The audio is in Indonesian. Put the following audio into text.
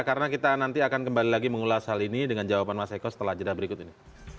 karena kita nanti akan kembali lagi mengulas hal ini dengan jawaban mas eko setelah jeda berikut ini